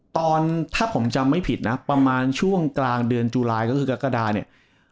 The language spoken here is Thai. ตอนถ้าผมจำไม่ผิดนะประมาณช่วงกลางเดือนจุลายก็คือกรกฎาเนี่ย